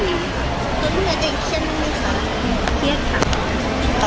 เตรียร์ค่ะ